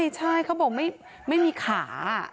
ใช่เขาบอกไม่มีขา